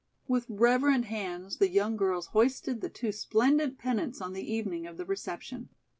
With reverent hands the young girls hoisted the two splendid pennants on the evening of the reception.